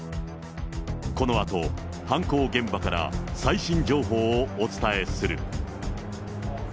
このあと犯行現場から最新情報をお伝えする。